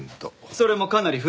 それもかなり太い。